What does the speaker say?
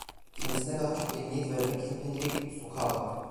Kendisine daha çok emniyet vermek için pencereye gidip sokağa baktı.